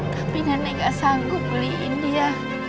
tapi nenek gak sanggup beliin dia